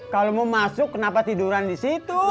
kalau mau masuk kenapa tiduran di situ